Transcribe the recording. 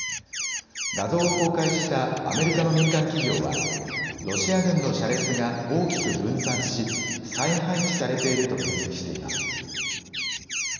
画像を公開したアメリカの民間企業はロシア軍の車列が大きく分散し、再配置されていると指摘しています。